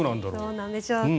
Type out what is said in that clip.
どうなんでしょうか。